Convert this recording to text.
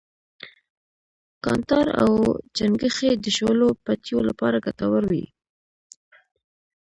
کانټار او چنگښې د شولو پټیو لپاره گټور وي.